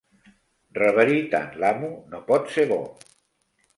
Reverir tant l'amo no pot ser bo.